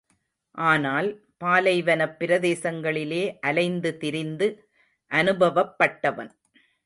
ஆனால் பாலைவனப் பிரதேசங்களிலே அலைந்து திரிந்து அனுபவப்பட்டவன்.